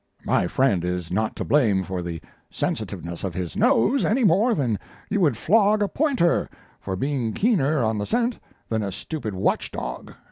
My friend is not to blame for the sensitiveness of his nose, any more than you would flog a pointer for being keener on the scent than a stupid watch dog.